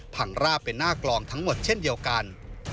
ราบไปหน้ากลองทั้งหมดเช่นเดียวกัน